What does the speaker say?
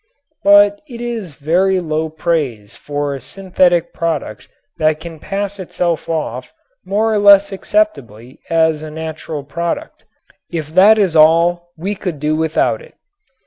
But it is very low praise for a synthetic product that it can pass itself off, more or less acceptably, as a natural product. If that is all we could do without it.